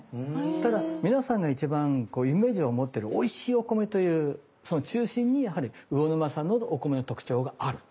ただ皆さんが一番イメージを持ってるおいしいお米というその中心にやはり魚沼産のお米の特徴がある。